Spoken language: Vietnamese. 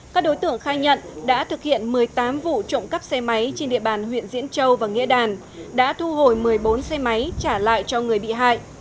các đối tượng khai nhận đã thực hiện một mươi tám vụ trộm cắp xe máy trên địa bàn huyện diễn châu và nghệ đàn đã thu hồi một mươi bốn xe máy trả lại cho người bị hại